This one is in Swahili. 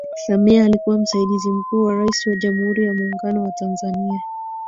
Samia alikuwa msaidizi mkuu wa Rais wa Jamhuri ya Muungano wa Tanzania